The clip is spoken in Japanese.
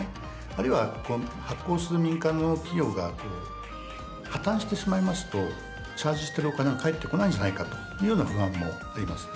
あるいは発行する民間の企業が破綻してしまいますとチャージしているお金が返ってこないんじゃないかというような不安もあります。